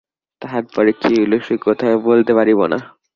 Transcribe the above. তাহারও পরে কী হইল সে কথা আর বলিতে পারিব না।